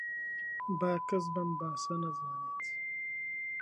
با کەس بەم باسە نەزانێت